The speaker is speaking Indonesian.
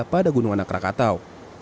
pada gunung anak rakatau